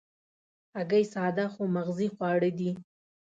هګۍ ساده خو مغذي خواړه دي.